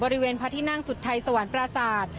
บริเวณพาที่นั่งสุดไทยสวรรค์ประสาท